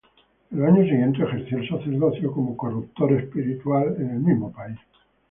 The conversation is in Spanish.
En los años siguientes ejerció el sacerdocio como director espiritual en el mismo país.